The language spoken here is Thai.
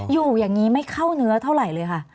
อยู่อย่างนี้ไม่เข้าเนื้อเท่าไหร่เลยค่ะ